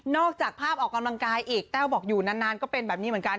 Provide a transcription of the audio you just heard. จากภาพออกกำลังกายอีกแต้วบอกอยู่นานก็เป็นแบบนี้เหมือนกัน